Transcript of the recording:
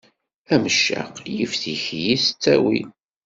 Ameccaq yif tikli s ttawil.